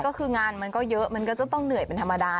ก็คืองานมันก็เยอะมันก็จะต้องเหนื่อยเป็นธรรมดา